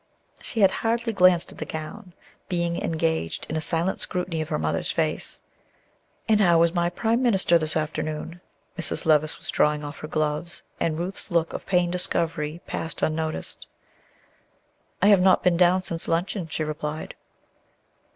She had hardly glanced at the gown, being engaged in a silent scrutiny of her mother's face. "And how is my prime minister this afternoon?" Mrs. Levice was drawing off her gloves, and Ruth's look of pained discovery passed unnoticed. "I have not been down since luncheon," she replied.